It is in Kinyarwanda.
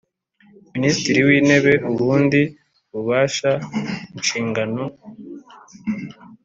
Minisitiri w Intebe ubundi bubasha inshingano